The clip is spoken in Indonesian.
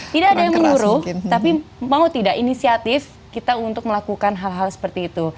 tidak ada yang menyuruh tapi mau tidak inisiatif kita untuk melakukan hal hal seperti itu